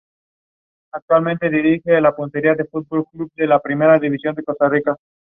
Se encuentra en la especia del azafrán, que proviene de la flor de azafrán.